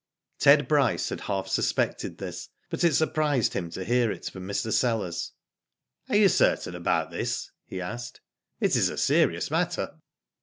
Ted Bryce had half suspected this, but it surprised him to hear it from Mr. Sellers. " Are you certain about this ?" he asked. " It is a serious matter."